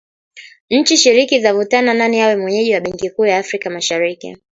Nchi shiriki zavutana nani awe mwenyeji wa benki kuu la Afrika Mashariki